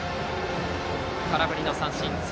空振り三振。